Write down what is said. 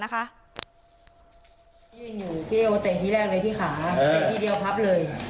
ที่ยืนอยู่พี่เอก็เตะที่แรกเลยที่ขาเตะทีเดียวพับเลย